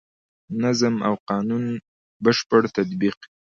نظم او د قانون بشپړ تطبیق.